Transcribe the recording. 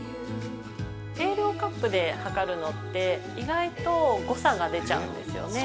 ◆計量カップで計るのって意外と誤差が出ちゃうんですよね。